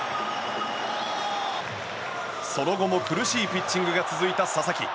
その後も苦しいピッチングが続いた佐々木。